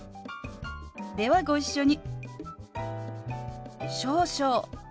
ではご一緒に。